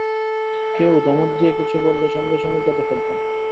কেউ ধমক দিয়ে কিছু বললে সঙ্গে-সঙ্গে কেঁদে ফেলতাম।